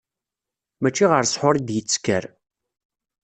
Mačči ɣer ssḥur i d-yettekkar.